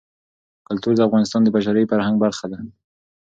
کلتور د افغانستان د بشري فرهنګ برخه ده.